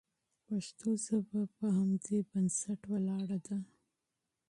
پښتو ژبه په همدې بنسټ ولاړه ده.